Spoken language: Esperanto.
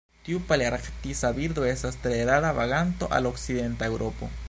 Tiu palearktisa birdo estas tre rara vaganto al okcidenta Eŭropo.